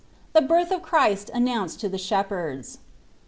THE BIRTH OF CHRIST ANNOUNCED TO THE SHEPHERDS.